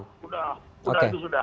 sudah sudah itu sudah